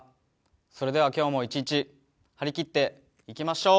それでは今日も一日張りきっていきましょう！